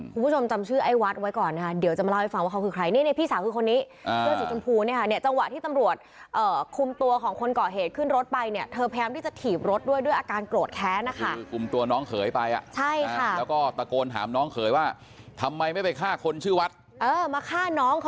คุณผู้ชมจำชื่อไอ้วัดไว้ก่อนนะคะเดี๋ยวจะมาเล่าให้ฟังว่าเขาคือใคร